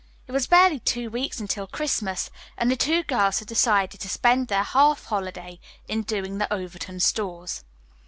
It was barely two weeks until Christmas and the two girls had decided to spend their half holiday in doing the Overton stores.